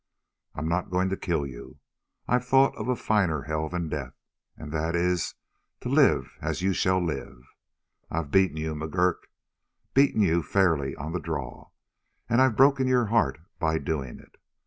I'm not going to kill you. I've thought of a finer hell than death, and that is to live as you shall live. I've beaten you, McGurk, beaten you fairly on the draw, and I've broken your heart by doing it.